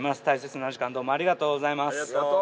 大切なお時間どうもありがとうございます。